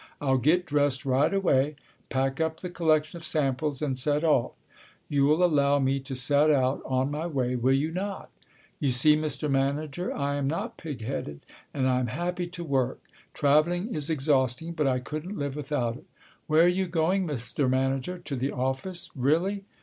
"I'll get dressed right away, pack up the collection of samples, and set off. You'll allow me to set out on my way, will you not? You see, Mr. Manager, I am not pig headed, and I am happy to work. Travelling is exhausting, but I couldn't live without it. Where are you going, Mr. Manager? To the office? Really?